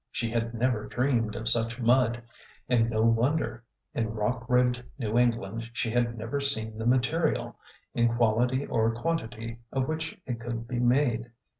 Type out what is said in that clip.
She had never dreamed of such mud— and no wonder. In rock ribbed New England she had never seen the material, in quality or quantity, of which it«could be made.